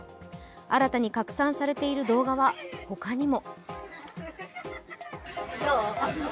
新たに拡散されている動画は他にも。